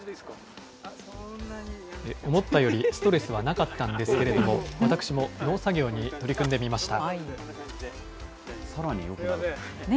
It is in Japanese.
思ったよりストレスはなかったんですけれども、私も農作業に取り組んでみました。